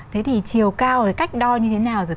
thế thì chiều cao cách đo như thế nào